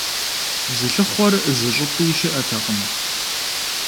Зылъыхъуэр зыщӀыпӀи щыӀэтэкъым.